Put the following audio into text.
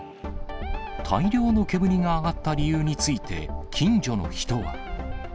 大量の煙が上がった理由について、近所の人は。